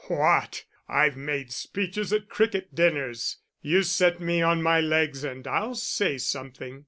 "What! I've made speeches at cricket dinners; you set me on my legs and I'll say something."